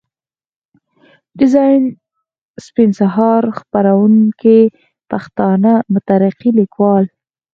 ډيزاين سپين سهار، خپروونکی پښتانه مترقي ليکوال.